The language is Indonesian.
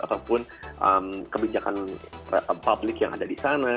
ataupun kebijakan publik yang ada di sana